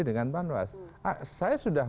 dengan banwas saya sudah